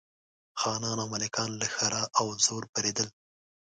خانان او ملکان له ښرا او زور بېرېدل.